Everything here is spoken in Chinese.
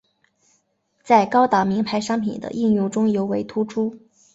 在高档名牌商品的应用中尤为突出。